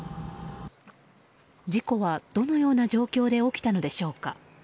事故はどのような状況で起きたのでしょうか。